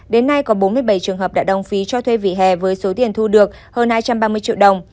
đến nay có bốn mươi bảy trường hợp đã đồng phí cho thuê vỉa hè với số tiền thu được hơn hai trăm ba mươi triệu đồng